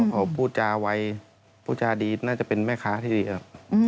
พอพูดจาวัยพูดจาดีน่าจะเป็นแม่ค้าที่ดีอะ